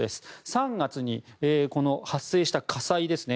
３月に発生した火災ですね。